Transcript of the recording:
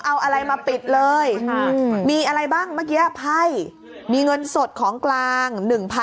เอาอะไรมาปิดเลยมีอะไรบ้างเมื่อกี้ไพ่มีเงินสดของกลาง